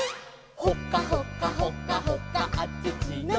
「ほかほかほかほかあちちのチー」